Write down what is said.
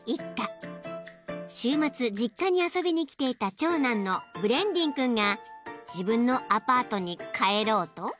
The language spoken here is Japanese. ［週末実家に遊びに来ていた長男のブレンディン君が自分のアパートに帰ろうと］